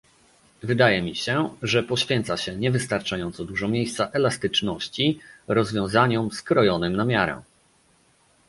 Wydaje mi się, że poświęca się niewystarczająco dużo miejsca elastyczności, rozwiązaniom "skrojonym na miarę"